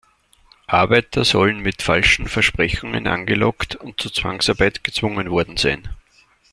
Arbeiter sollen mit falschen Versprechungen angelockt und zu Zwangsarbeit gezwungen worden sein.